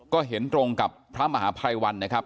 ก็เห็นตรงกับพระมหาพระวันเนี่ยครับ